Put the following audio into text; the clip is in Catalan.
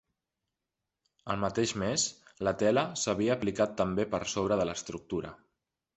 Al mateix mes, la tela s'havia aplicat també per sobre de l'estructura.